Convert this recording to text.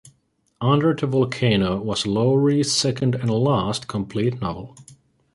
"Under the Volcano" was Lowry's second and last complete novel.